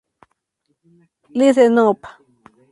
Listen Up!